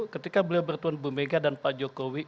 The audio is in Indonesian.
ketika beliau bertuah bumega dan pak jokowi